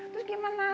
terus gimana aku